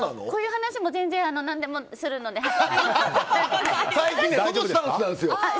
こういう話も全然なんでもするので。